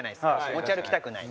持ち歩きたくない。